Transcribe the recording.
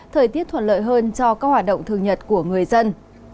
thời tiết thuận lợi hơn cho các hoạt động thường nhật của người dân